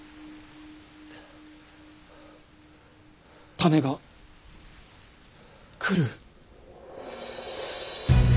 種が来る！